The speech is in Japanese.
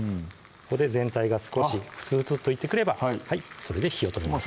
ここで全体が少しふつふつといってくればそれで火を止めます